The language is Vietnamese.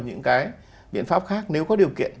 những cái biện pháp khác nếu có điều kiện